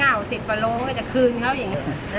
ประมาณนี้ยังไม่ถึงรังเลย